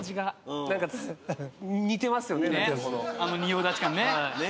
あの仁王立ち感ね。